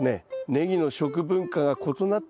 ネギの食文化が異なっている。